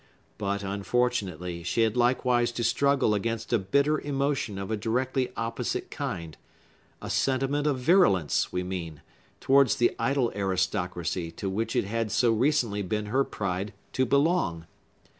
But, unfortunately, she had likewise to struggle against a bitter emotion of a directly opposite kind: a sentiment of virulence, we mean, towards the idle aristocracy to which it had so recently been her pride to belong.